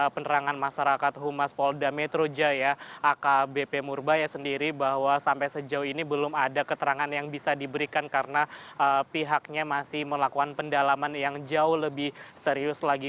penerangan masyarakat humas polda metro jaya akbp murbaya sendiri bahwa sampai sejauh ini belum ada keterangan yang bisa diberikan karena pihaknya masih melakukan pendalaman yang jauh lebih serius lagi